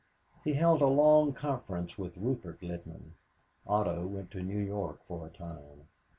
He held a long conference with Rupert Littman, Otto went to New York for a time.